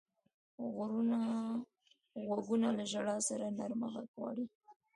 غوږونه له ژړا سره نرمه غږ غواړي